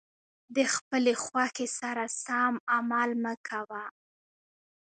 د خپلې خوښې سره سم عمل مه کوه.